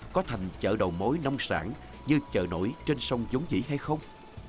có thành chợ đầu mối nông sản như chợ nổi trên sông chúng vĩ hay không